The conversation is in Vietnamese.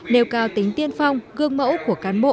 nêu cao tính tiên phong gương mẫu của cán bộ